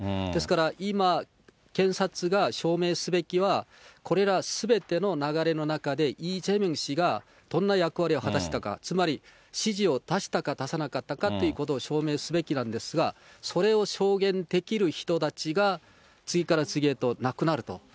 ですから今、検察が証明すべきは、これらすべての流れの中で、イ・ジェミョン氏がどんな役割を果たしたか、つまり指示を出したか出さなかったかということを証明すべきなんですが、それを証言できる人たちが次から次へと亡くなると。